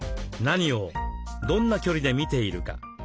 何をどんな距離で見ているか。